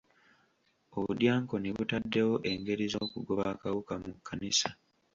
Obudyankoni butaddewo engeri z'okugoba akawuka mu kkanisa.